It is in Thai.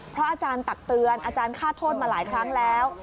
เพราะอาจารย์ตักเตือนอาจารย์ฆ่าโทษมาหลายครั้งแล้ว